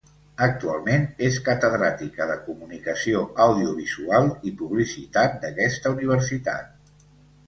Actualment és catedràtica de comunicació audiovisual i publicitat d'aquesta universitat.